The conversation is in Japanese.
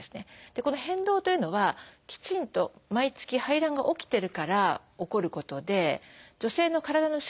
この変動というのはきちんと毎月排卵が起きてるから起こることで女性の体の仕組みとしては正常なんですね。